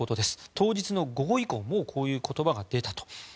当日の午後以降もうこういう言葉が出たと。